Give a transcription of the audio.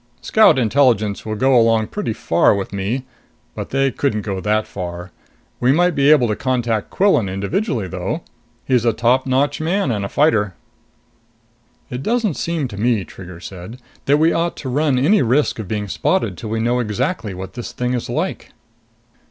Scout Intelligence will go along pretty far with me. But they couldn't go that far. We might be able to contact Quillan individually though. He's a topnotch man in a fighter." "It doesn't seem to me," Trigger said, "that we ought to run any risk of being spotted till we know exactly what this thing is like."